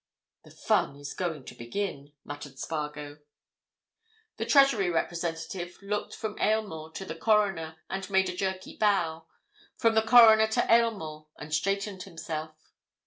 "The fun is going to begin," muttered Spargo. The Treasury representative looked from Aylmore to the Coroner and made a jerky bow; from the Coroner to Aylmore and straightened himself.